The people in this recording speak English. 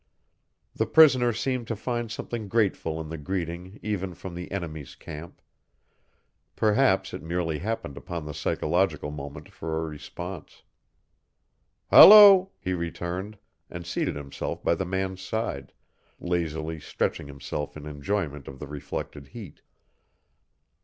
The prisoner seemed to find something grateful in the greeting even from the enemy's camp. Perhaps it merely happened upon the psychological moment for a response. "Hullo," he returned, and seated himself by the man's side, lazily stretching himself in enjoyment of the reflected heat.